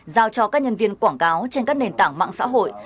giao cho các nhân viên quảng cáo trên các nền tảng mạng xã hội